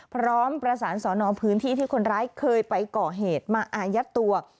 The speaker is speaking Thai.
พร้อมประสานสอนอพื้นที่ที่คนร้ายเคยไปก่อเหตุมาอายัดตัว